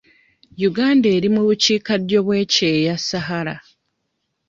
Uganda eri mu bukiikaddyo bw'ekyeya Sahara.